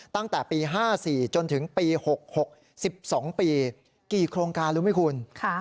ตั้งแต่ปี๕๔จนถึงปี๖๖๑๒ปีกี่โครงการรู้ไหมคุณ